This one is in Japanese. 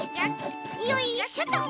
よいしょっと！